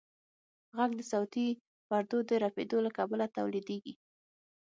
غږ د صوتي پردو د رپېدو له کبله تولیدېږي.